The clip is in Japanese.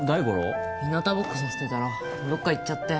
ひなたぼっこさせてたらどっか行っちゃって。